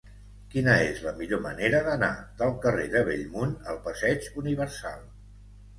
Quina és la millor manera d'anar del carrer de Bellmunt al passeig Universal?